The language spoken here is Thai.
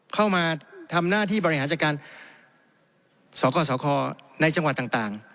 เข้ามาทำหน้าที่บริหารจัดการสกสคในจังหวัดต่าง